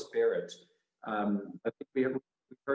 kita pernah mendengar